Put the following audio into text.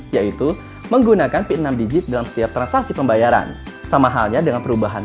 yaitu menggunakan p enam digit dalam setiap transaksi pembayaran sama halnya dengan perubahan